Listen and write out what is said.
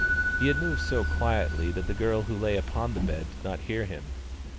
He had moved so quietly that the girl who lay upon the bed did not hear him.